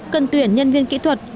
cần tuyển nhân viên kỹ thuật